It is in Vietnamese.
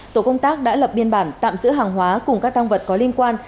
tổ công tác đã lập biên bản tạm giữ hàng hóa cùng các tăng vật có liên quan